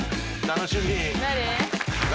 楽しみ誰？